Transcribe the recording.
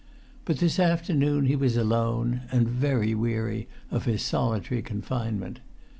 But this afternoon he was alone, and very weary of his solitary confinement.